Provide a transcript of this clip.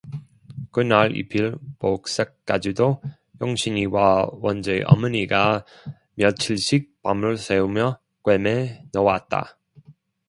그날 입힐 복색까지도 영신이와 원재 어머니가 며칠씩 밤을 새우며 꿰매 놓았다.